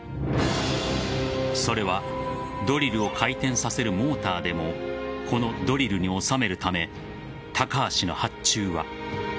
それはドリルを回転させるモーターでもこのドリルに収めるため高橋の発注は。